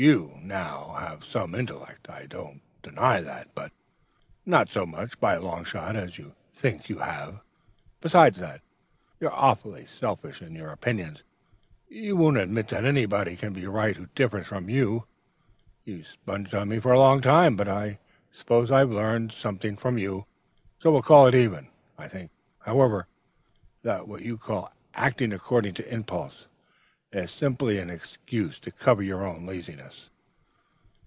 'You, now, have some intellect, I don't deny that, but not so much, by a long shot, as you think you have. Besides that, you're awfully selfish in your opinions. You won't admit that anybody can be right who differs from you. You've sponged on me for a long time; but I suppose I've learned something from you, so we'll call it even. I think, however, that what you call acting according to impulse is simply an excuse to cover your own laziness.'